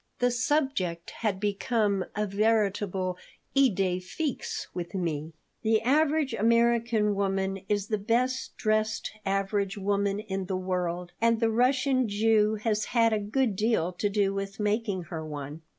The subject had become a veritable idée fixé with me The average American woman is the best dressed average woman in the world, and the Russian Jew has had a good deal to do with making her one.